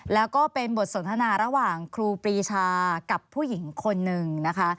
แล้วก็เป็นบทสนทนาระหว่างครูปรีชากับผู้หญิงคนหนึ่งนะคะ